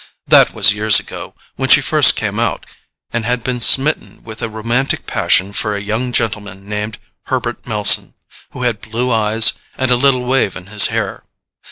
That was years ago, when she first came out, and had been smitten with a romantic passion for a young gentleman named Herbert Melson, who had blue eyes and a little wave in his hair.